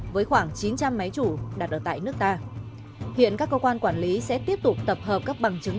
với khoảng chín trăm linh máy chủ đặt ở tại nước ta hiện các cơ quan quản lý sẽ tiếp tục tập hợp các bằng chứng